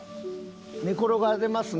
寝転がれますね。